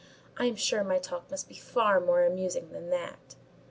I'm sure my talk must be far more amusing than that."